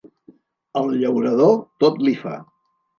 Al llaurador, tot li fa.